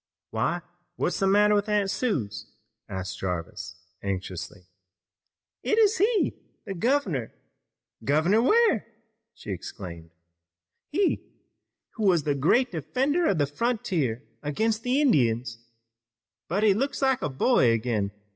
"Why, what's the matter, Aunt Suse?" asked Jarvis anxiously. "It is he! The governor! Governor Ware!" she exclaimed. "He, who was the great defender of the frontier against the Indians! But he looks like a boy again!